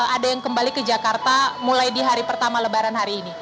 ada yang kembali ke jakarta mulai di hari pertama lebaran hari ini